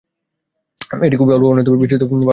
এটি খুবই অল্প বর্ণনায় ও বিস্তৃত ভাব সংবলিত রচনা।